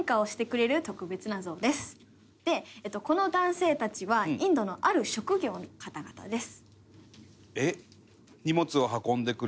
この男性たちはインドのある職業の方々です。